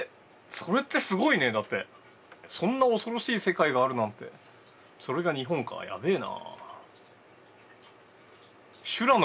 それってすごいねだってそんな恐ろしい世界があるなんてそれが日本かやべえな。